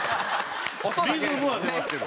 リズムは出ますけど。